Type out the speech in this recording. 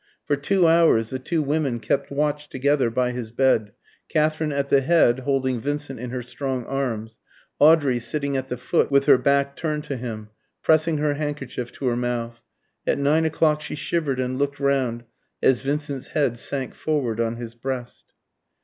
For two hours the two women kept watch together by his bed: Katherine at the head, holding Vincent in her strong arms; Audrey sitting at the foot with her back turned to him, pressing her handkerchief to her mouth. At nine o'clock she shivered and looked round, as Vincent's head sank forward on his breast.